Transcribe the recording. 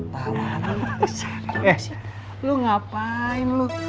tarang lu ngapain lu